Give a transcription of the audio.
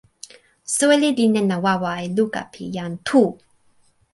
soweli li nena wawa e luka pi jan Tu.